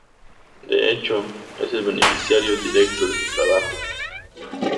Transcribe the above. De hecho, es el beneficiario directo de su trabajo.